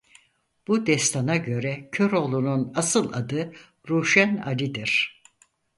Bu destana göre Köroğlu'nun asıl adı Ruşen Ali'dir.